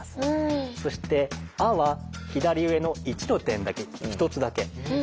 そして「あ」は左上の１の点だけ１つだけ。